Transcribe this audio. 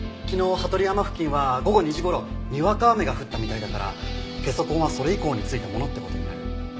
昨日羽鳥山付近は午後２時頃にわか雨が降ったみたいだからゲソ痕はそれ以降に付いたものって事になる。